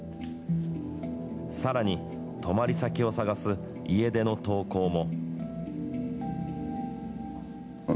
さらに、泊まり先を探す家出の投稿も。